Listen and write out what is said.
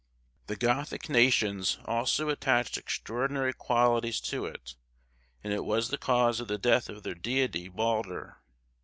The Gothic nations also attached extraordinary qualities to it, and it was the cause of the death of their deity Balder.